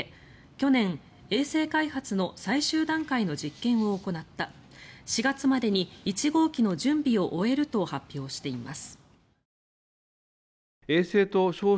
去年、衛星開発の最終段階の実験を行った４月までに１号機の準備を終えると発表しています。